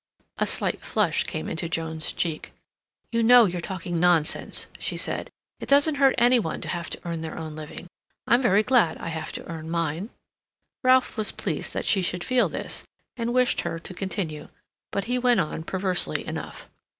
A slight flush came into Joan's cheek. "You know you're talking nonsense," she said. "It doesn't hurt any one to have to earn their own living. I'm very glad I have to earn mine." Ralph was pleased that she should feel this, and wished her to continue, but he went on, perversely enough.